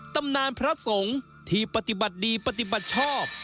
ตำนานพระสงฆ์ที่ปฏิบัติดีปฏิบัติชอบ